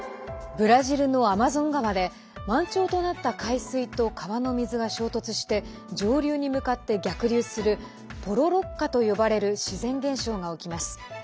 ブラジルのアマゾン川で満潮となった海水と川の水が衝突して上流に向かって逆流するポロロッカと呼ばれる自然現象が起きます。